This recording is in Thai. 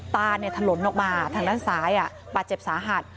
ตาถลนออกมาทางด้านซ้ายบาดเจ็บสาหัส